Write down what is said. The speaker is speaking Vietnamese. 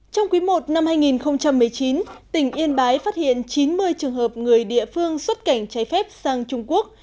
trong quý i năm hai nghìn một mươi chín tỉnh yên bái phát hiện chín mươi trường hợp người địa phương xuất cảnh trái phép sang trung quốc